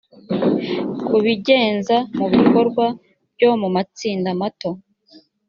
kubigenza mu bikorwa byo mu matsinda mato